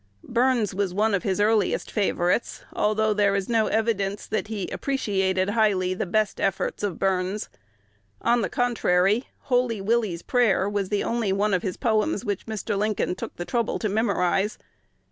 Burns was one of his earliest favorites, although there is no evidence that he appreciated highly the best efforts of Burns. On the contrary, "Holy Willie's Prayer" was the only one of his poems which Mr. Lincoln took the trouble to memorize.